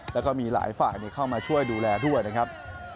แล้วก็มีหลายฝ่ายเข้ามาช่วยดูแลด้วยนะครับ